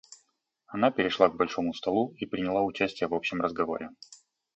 Она перешла к большому столу и приняла участие в общем разговоре.